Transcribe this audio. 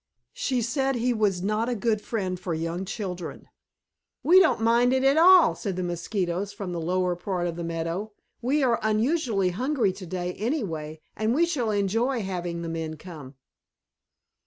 She said he was not a good friend for young children. "We don't mind it at all," said the Mosquitoes from the lower part of the meadow. "We are unusually hungry today anyway, and we shall enjoy having the men come."